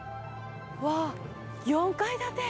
うわあ４階建て！？